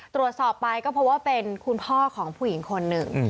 ตรวจสอบไปก็เพราะว่าเป็นคุณพ่อของผู้หญิงคนหนึ่ง